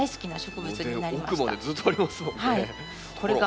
奥までずっとありますもんね。